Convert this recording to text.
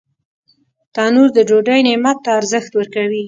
تنور د ډوډۍ نعمت ته ارزښت ورکوي